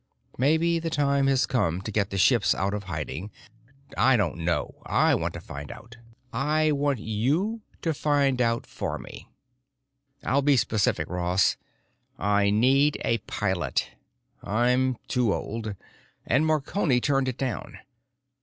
Maybe the time has come to get the ships out of hiding. I don't know. I want to find out; I want you to find out for me. I'll be specific, Ross. I need a pilot. I'm too old, and Marconi turned it down.